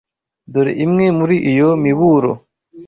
Dore imwe muri iyo miburo